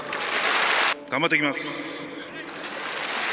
頑張ってきます！